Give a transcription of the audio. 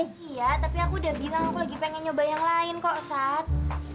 iya tapi aku udah bilang aku lagi pengen nyoba yang lain kok sat